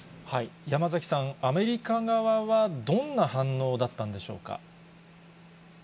山崎さん、アメリカ側はどんな反応だったんでしょうか。